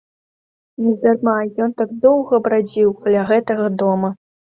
Нездарма ён так доўга брадзіў каля гэтага дома.